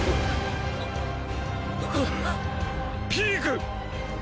ピーク！！